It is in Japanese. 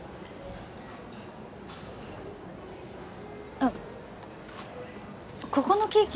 あここのケーキ